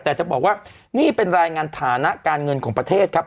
แต่จะบอกว่านี่เป็นรายงานฐานะการเงินของประเทศครับ